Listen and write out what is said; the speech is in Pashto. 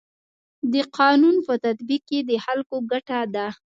د قانون په تطبیق کي د خلکو ګټه ده.